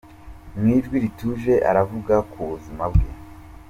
Mu ijwi rituje, aravuga ku buzima bwe.